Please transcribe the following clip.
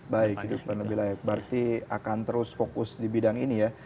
baik hidup dan lebih layak berarti akan terus fokus di bidang ini ya